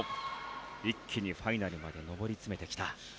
一気にファイナルまで上り詰めてきた。